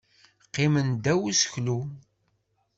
Qqimen ddaw useklu.